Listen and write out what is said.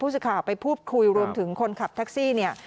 สื่อข่าวไปพูดคุยรวมถึงคนขับแท็กซี่เนี่ย